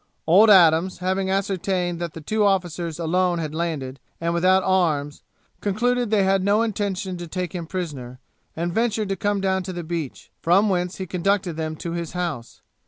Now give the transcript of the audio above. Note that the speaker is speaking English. Old Adams, having ascertained that the two officers alone had landed, and without arms, concluded they had no intention to take him prisoner, and ventured to come down to the beach, from whence he conducted them to his house.